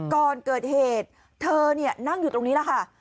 ก่อนเกิดเหตุเธอนั่งอยู่ตรงนี้แหละค่ะ